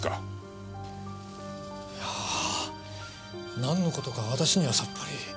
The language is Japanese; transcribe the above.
いやぁなんの事か私にはさっぱり。